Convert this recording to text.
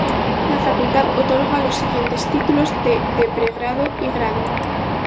La facultad otorga los siguientes títulos de de pregrado y grado.